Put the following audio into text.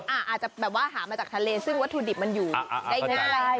อาจจะแบบว่าหามาจากทะเลซึ่งวัตถุดิบมันอยู่ได้ง่าย